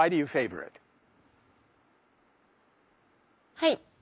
はい。